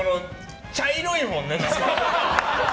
茶色いもんね、何か。